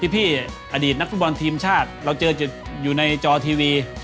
พี่อดีตนักฟุตบอลทีมชาติเราเจอจุดอยู่ในจอทีวี